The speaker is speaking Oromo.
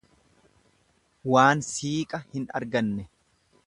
Waan siiqa hin arganne.